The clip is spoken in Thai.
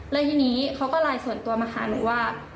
แล้วทีนี้เขาก็ไลน์ส่วนตัวมาหาหนูว่า